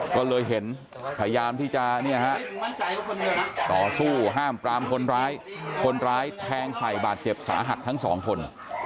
ก็เลยเห็นพยายามที่จะต่อสู้ห้ามปรามคนร้ายคนร้ายแทงใส่บาดเจ็บสาหัสทั้งสองคน